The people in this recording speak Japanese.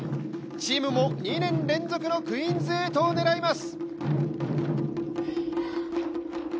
チームも２年連続のクイーンズ８を狙います。